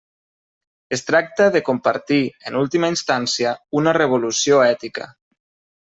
Es tracta de compartir, en última instància una revolució ètica.